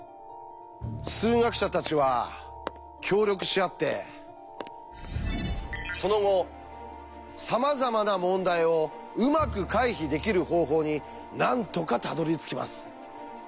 数学者たちは協力し合ってその後さまざまな問題をうまく回避できる方法になんとかたどりつきます。